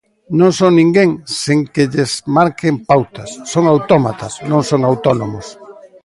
Non son ninguén sen que lles marquen pautas; son autómatas, non son autónomos.